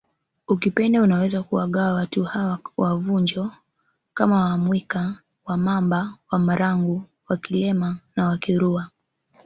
Ukipenda unaweza kuwagawa watu hawa wa Vunjo kama WaMwika WaMamba WaMarangu WaKilema na Wakirua